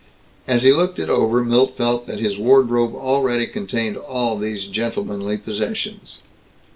As he looked it over Milt felt that his wardrobe already contained all these gentlemanly possessions.